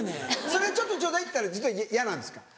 「それちょっとちょうだい」っつったら実は嫌なんですか？